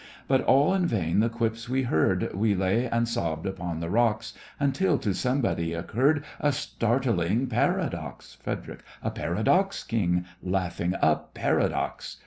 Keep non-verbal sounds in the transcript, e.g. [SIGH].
But all in vain the quips we heard, We lay and sobbed upon the rocks, Until to somebody occurred A startling paradox. FREDERIC: A paradox? KING: [LAUGHS] A paradox!